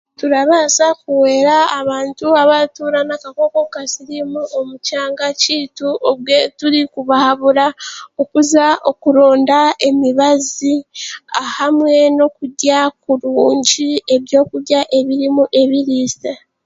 Turabaasa kuhwera abantu abaratuura n'akakooko ka siriimu omu kyanga kyaitu obwe turikubahabura okuza okuronda emibazi hamwe n'okurya kurungi ebyokurya ebirimu ebiriisa.